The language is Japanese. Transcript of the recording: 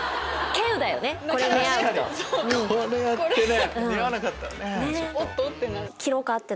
これやってね。